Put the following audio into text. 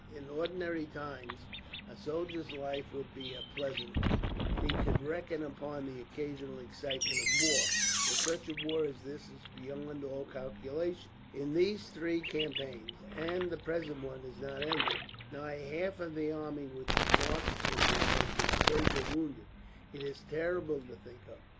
"In ordinary times a soldier's life would be a pleasant one, and he could reckon upon the occasional excitement of war; but such a war as this is beyond all calculation. In these three campaigns, and the present one is not ended, nigh half of the army which marched through here has been killed or wounded. It is terrible to think of.